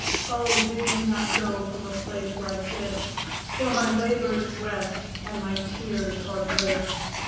O bid me not go from a place like this, For my labor is rest, and my tears are bliss!"